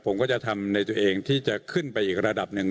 ผมก็จะทำในตัวเองที่จะขึ้นไปอีกระดับหนึ่ง